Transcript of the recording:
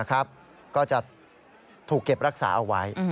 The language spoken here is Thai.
ก็จะถูกเก็บรักษาเอาไว้